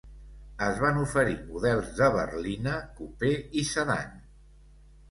Es van oferir models de berlina, coupé i sedan.